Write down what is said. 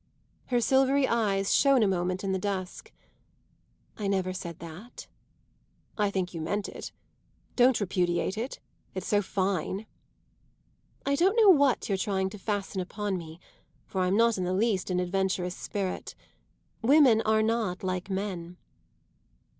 Her silvery eyes shone a moment in the dusk. "I never said that." "I think you meant it. Don't repudiate it. It's so fine!" "I don't know what you're trying to fasten upon me, for I'm not in the least an adventurous spirit. Women are not like men."